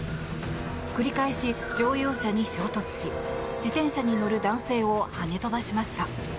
繰り返し乗用車に衝突し自転車に乗る男性をはね飛ばしました。